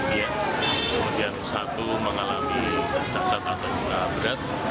kemudian satu mengalami cacat atau luka berat